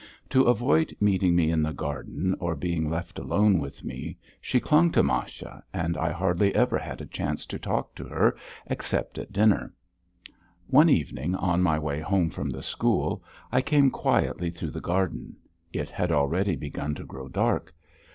To avoid meeting me in the garden or being left alone with me she clung to Masha and I hardly ever had a chance to talk to her except at dinner. One evening, on my way home from the school, I came quietly through the garden. It had already begun to grow dark.